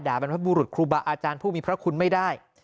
บรรพบุรุษครูบาอาจารย์ผู้มีพระคุณไม่ได้